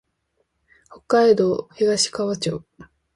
北海道東川町